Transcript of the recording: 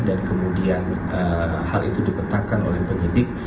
dan kemudian hal itu diketahkan oleh penyelidik